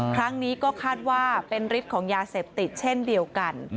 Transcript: ครั้งนี้ก็คาดว่าเป็นฤทธิ์ของยาเสพติดเช่นเดียวกัน